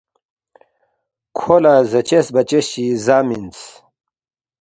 کھو لہ زاچس بَچس چی زا منس